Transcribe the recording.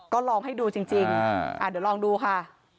ก็ลองให้ดูจริงเดี๋ยวลองดูค่ะ